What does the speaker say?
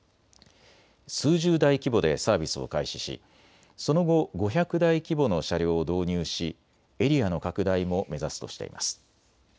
数十台規模でサービスを開始しその後、５００台規模の車両を導入し、エリアの拡大も目指すとしています。